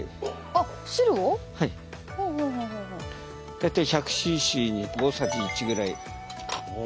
大体１００ｃｃに大さじ１ぐらい。